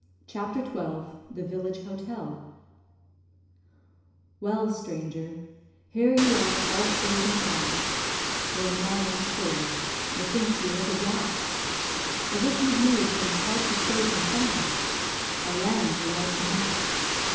CHAPTER XII THE VILLAGE HOTEL Well, stranger, here you are all safe and sound; You're now on shore. Methinks you look aghast, As if you'd made some slight mistake, and found A land you liked not.